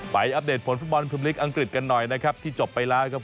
อัปเดตผลฟุตบอลพิมพลิกอังกฤษกันหน่อยนะครับที่จบไปแล้วครับ